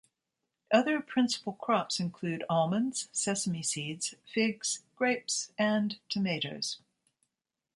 Other principal crops include almonds, sesame seeds, figs, grapes and tomatoes.